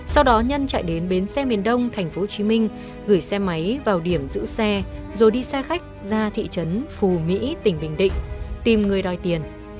sau đó nhân chạy đến bến xe miền đông tp hcm gửi xe máy vào điểm giữ xe rồi đi xe khách ra thị trấn phù mỹ tỉnh bình định tìm người đòi tiền